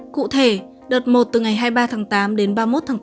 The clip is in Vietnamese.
cụ thể đợt một từ ngày hai mươi ba tháng tám đến ba mươi một tháng tám